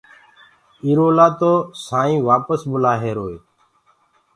ايٚرو لآ تو سآئينٚ وآپس بلآ هيروئي